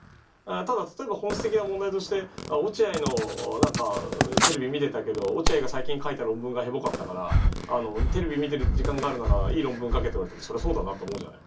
ただ例えば本質的な問題として「落合の何かテレビ見てたけど落合が最近書いた論文がヘボかったからテレビ見てる時間があるならいい論文書け」って言われたらそりゃそうだなと思うじゃない。